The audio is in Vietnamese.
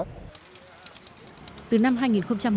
từ năm hai nghìn một mươi đến nay cần thơ ước tổng thiệt hại